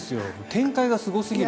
展開がすごすぎる。